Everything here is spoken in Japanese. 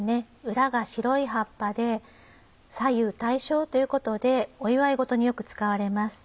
裏が白い葉っぱで左右対称ということでお祝い事によく使われます。